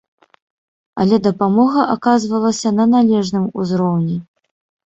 Але дапамога аказвалася на належным узроўні.